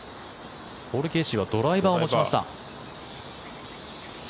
ポール・ケーシーはドライバーを持ちました。